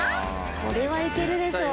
これはいけるでしょ。